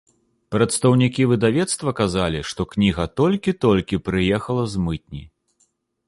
Прадстаўнікі выдавецтва казалі, што кніга толькі-толькі прыехала з мытні.